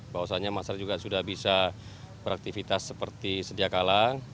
bahwasannya masyarakat juga sudah bisa beraktivitas seperti sedia kalang